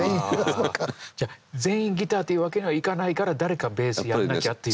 じゃあ全員ギターというわけにはいかないから誰かベースやらなきゃっていう。